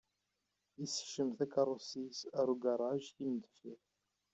Isekcem takeṛṛust-is ar ugaṛaj d timendeffirt.